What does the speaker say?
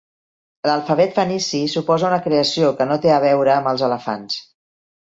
L'alfabet fenici suposa una creació que no té a veure amb els elefants.